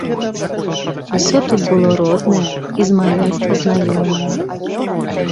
Усё тут было роднае і з маленства знаёмае.